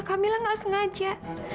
kak mila nggak sengaja